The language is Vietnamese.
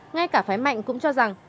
ngay cả phái mạnh cũng cho rằng